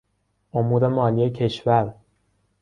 امور مالی کشور